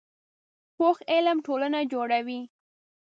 پوخ علم ټولنه جوړوي